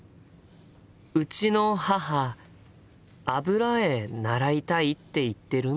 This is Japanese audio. うちの母油絵習いたいって言ってるんだよね。